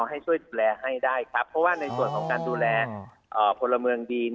ให้ช่วยดูแลให้ได้ครับเพราะว่าในส่วนของการดูแลพลเมืองดี